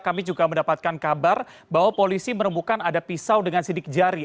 kami juga mendapatkan kabar bahwa polisi menemukan ada pisau dengan sidik jari